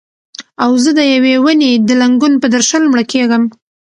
او زه د یوې ونې د لنګون پر درشل مړه کیږم